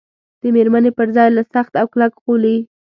د مېرمنې پر ځای له سخت او کلک غولي.